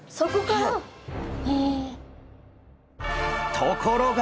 ところが！